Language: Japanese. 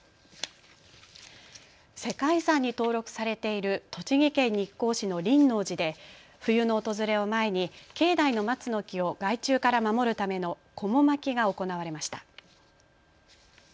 世界遺産に登録されている栃木県日光市の輪王寺で冬の訪れを前に境内の松の木を害虫から守るためのこも巻きが行われました。